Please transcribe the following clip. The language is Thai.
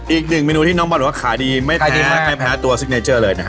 อีกหนึ่งเมนูที่น้องบอลบอกว่าขายดีไม่ดีมากไม่แพ้ตัวซิกเนเจอร์เลยนะฮะ